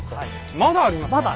まだあります。